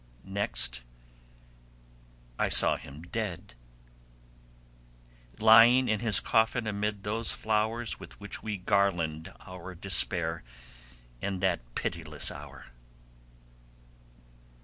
Next I saw him dead, lying in his coffin amid those flowers with which we garland our despair in that pitiless hour.